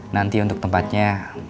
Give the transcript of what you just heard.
nanti untuk tempatnya